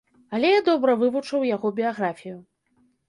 Але я добра вывучыў яго біяграфію.